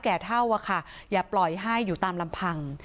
แก่เท่าอะค่ะอย่าปล่อยให้อยู่ตามลำพัง